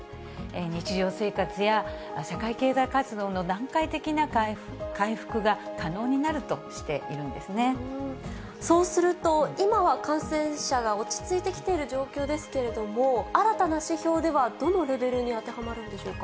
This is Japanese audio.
日常生活や社会経済活動の段階的な回復が可能になるとしているんそうすると、今は感染者が落ち着いてきている状況ですけれども、新たな指標ではどのレベルに当てはまるんでしょうか。